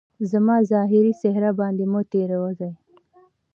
زما ظاهري څهره باندي مه تیروځه